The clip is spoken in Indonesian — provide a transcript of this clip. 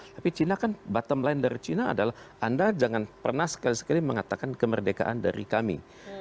tapi china kan bottom line dari china adalah anda jangan pernah sekali sekali mengatakan kemerdekaan dari kami